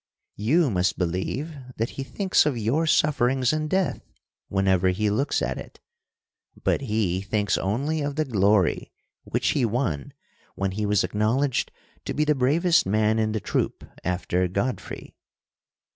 'You must believe that he thinks of your sufferings and death whenever he looks at it. But he thinks only of the glory which he won when he was acknowledged to be the bravest man in the troop after Godfrey.